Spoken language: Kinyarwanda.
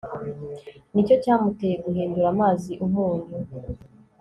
ni cyo cyamuteye guhindura amazi umunyu